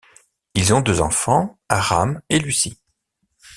Ils ont deux enfants, Aram et Lucy.